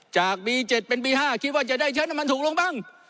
จากปีเจ็ดเป็นปีห้าคิดว่าจะได้เชิญน้ำมันถูกลงบ้าง